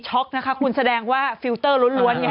ช็อคนะคะคุณแสดงว่าฟิลเตอร์ล้วน